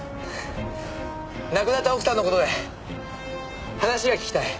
亡くなった奥さんの事で話が聞きたい。